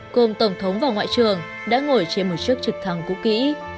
cùng tổng thống và ngoại trưởng đã ngồi trên một chiếc trực thăng cũ kỹ